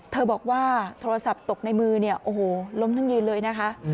บอกว่าโทรศัพท์ตกในมือเนี่ยโอ้โหล้มทั้งยืนเลยนะคะ